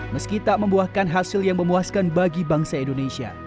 meski tak membuahkan hasil yang memuaskan bagi bangsa indonesia